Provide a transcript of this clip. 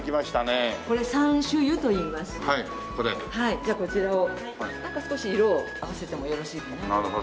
じゃあこちらをなんか少し色を合わせてもよろしいかなと思いますけど。